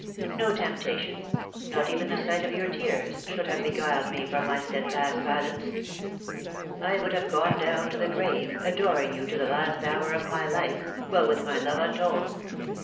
No tempta tion — not even the sight of your tears — should have beguiled me from my steadfast silence. I would have gone down to the grave, adoring you to the last hour of my life, but with my love untold.